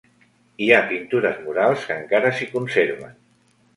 Hi ha pintures murals que encara s'hi conserven.